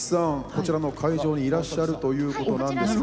こちらの会場にいらっしゃるということなんですが。